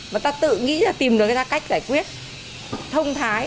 mà ta tự nghĩ ra tìm được ra cách giải quyết thông thái